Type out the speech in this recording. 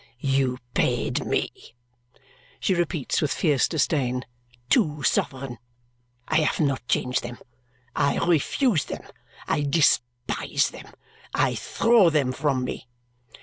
"You paid me!" she repeats with fierce disdain. "Two sovereign! I have not change them, I re fuse them, I des pise them, I throw them from me!"